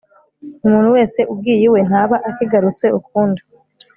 umuntu wese ugiye iwe, ntaba akigarutse ukundi